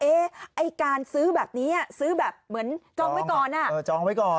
ไอ้การซื้อแบบนี้ซื้อแบบเหมือนจองไว้ก่อนอ่ะเออจองไว้ก่อน